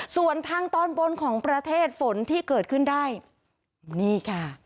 ส่วนทางตอนบนของประเทศฝนที่เกิดขึ้นได้นี่ค่ะ